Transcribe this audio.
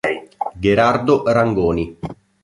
Gherardo Rangoni